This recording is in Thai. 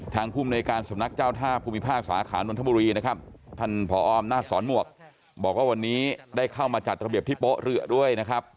ภูมิในการสำนักเจ้าท่าภูมิภาคสาขานนทบุรีนะครับท่านผออำนาจสอนหมวกบอกว่าวันนี้ได้เข้ามาจัดระเบียบที่โป๊ะเรือด้วยนะครับ